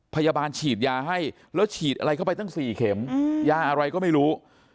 พยาบาลฉีดยาให้แล้วฉีดอะไรเข้าไปตั้ง๔เข็มยาอะไรก็ไม่รู้